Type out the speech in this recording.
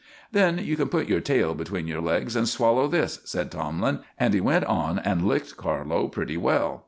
"Then you can put your tail between your legs and swallow this," said Tomlin, and he went on and licked Carlo pretty well.